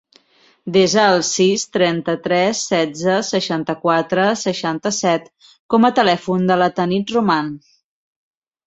Desa el sis, trenta-tres, setze, seixanta-quatre, seixanta-set com a telèfon de la Tanit Roman.